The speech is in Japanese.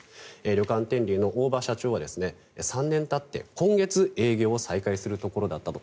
旅館、天龍の大庭社長は３年たって今月、営業を再開するところだったと。